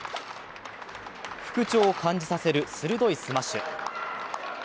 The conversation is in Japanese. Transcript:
復調を感じさせる鋭いスマッシュ。